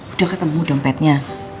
udah ketemu dompetnya